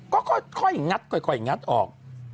ก็ค่อยงัดออก